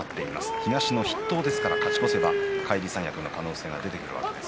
東の筆頭ですから勝ち越せば返り三役の可能性が出てきます